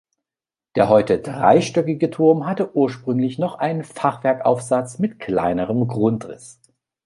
Der heute dreistöckige Turm hatte ursprünglich noch einen Fachwerkaufsatz mit kleinerem Grundriss.